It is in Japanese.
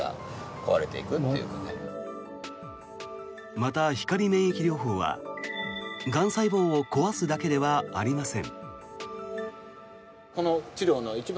また、光免疫療法はがん細胞を壊すだけではありません。